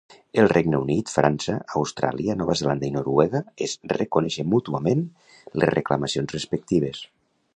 El Regne Unit, França, Austràlia, Nova Zelanda i Noruega es reconeixen mútuament les reclamacions respectives.